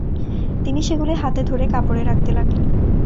তিনি সেগুলো হাতে ধরে কাপড়ে রাখতে লাগলেন।